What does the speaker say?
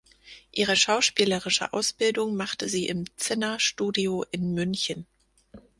Ihre schauspielerische Ausbildung machte sie im Zinner Studio in München.